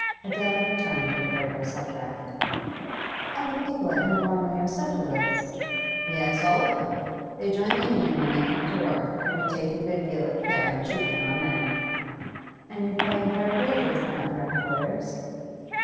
Adela returned to the graver subject. 'All the people at New Wanley are Socialists?' 'Yes, all of them. They join the Union when they come to work, and we take a good deal of care in choosing our men.' 'And you pay higher wages than other employers?